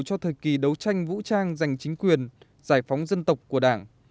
cho thời kỳ đấu tranh vũ trang giành chính quyền giải phóng dân tộc của đảng